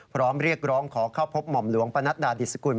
พร้อมเรียกร้องขอเข้าพบหม่อมหลวงปนัดดาดิสกุล